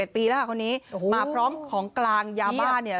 ปีแล้วค่ะคนนี้มาพร้อมของกลางยาบ้าเนี่ย